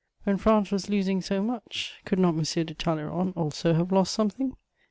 When France was losing so much, could not M. de. Talleyrand also have lost something?